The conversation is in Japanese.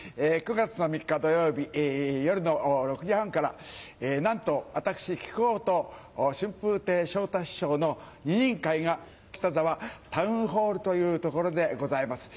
９月３日土曜日夜の６時半からなんと私木久扇と春風亭昇太師匠の二人会が北沢タウンホールという所でございます。